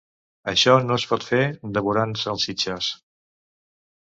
Això no es pot fer devorant salsitxes.